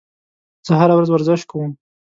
زه هره ورځ ورزش کوم.